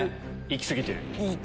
行き過ぎてる？